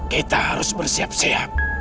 kita harus bersiap siap